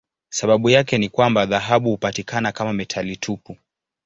Sababu yake ni kwamba dhahabu hupatikana kama metali tupu.